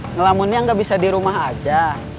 ngelamunnya nggak bisa di rumah aja